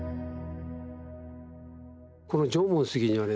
この縄文杉にはね